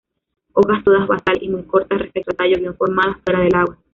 Hojas todas basales y muy cortas respecto al tallo, bien formadas fuera del agua.